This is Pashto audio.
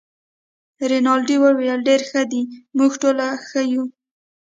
رینالډي وویل: ډیر ښه دي، موږ ټوله ښه یو.